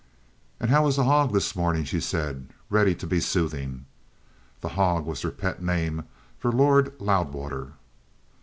"And how was the hog this morning?" she said, ready to be soothing. "The hog" was their pet name for Lord Loudwater.